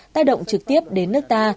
tái động trực tiếp đến nước ta